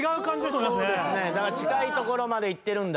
そうですねだから近いところまで行ってるんだ。